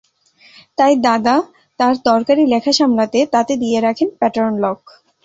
তাই দাদা তাঁর দরকারি লেখা সামলাতে তাতে দিয়ে রাখনে প্যাটার্ন লক।